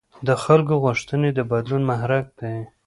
د خلکو غوښتنې د بدلون محرک دي